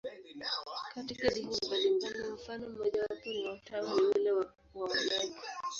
Katika dini mbalimbali, mfano mmojawapo wa utawa ni ule wa wamonaki.